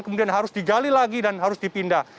kemudian harus digali lagi dan harus dipindah